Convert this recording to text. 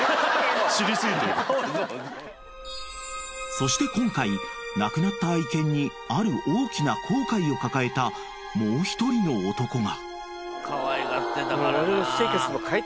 ［そして今回亡くなった愛犬にある大きな後悔を抱えたもう１人の男が］